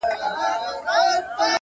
• !د عدالت په انتظار,